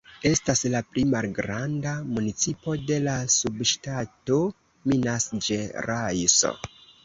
Estas la pli malgranda municipo de la subŝtato Minas-Ĝerajso.